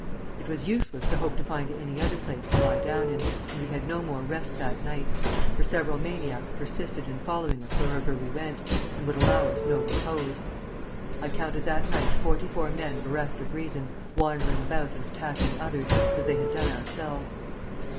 It was useless to hope to find any other place to lie down in, and we had no more rest that night, for several maniacs persisted in following us wherever we went, and would allow us no repose. I counted that night forty four men bereft of reason wandering about and attacking others, as they had done ourselves.